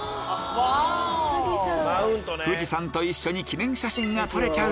富士山と一緒に記念写真が撮れちゃう！